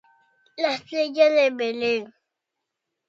La Estrella de Belén.